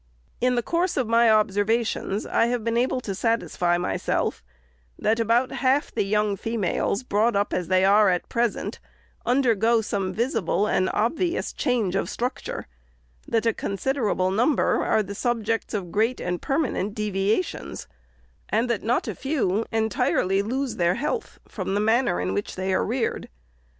" In the course of my observations, I have been able to satisfy myself, that about half the young females, brought up as they are at present, undergo some visible and obvious change of structure ; that a considerable number are the subjects of great and permanent devia tions ; and that not a few entirely lose their health from the manner in which they are reared.